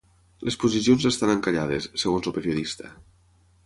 Les posicions estan encallades, segons el periodista.